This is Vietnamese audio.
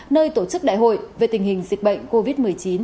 nơi tổ chức đại hội về tình hình dịch bệnh covid một mươi chín